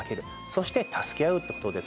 そして助け合うってことをですね